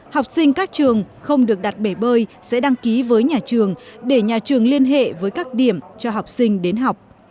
học sinh các trường không được đặt bể bơi sẽ đăng ký với nhà trường để nhà trường liên hệ với các điểm cho học sinh đến học